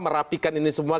merapikan ini semua